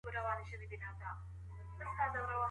د نجونو لیلیه بې ارزوني نه تایید کیږي.